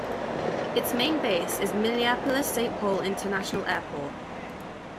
Its main base is Minneapolis-Saint Paul International Airport.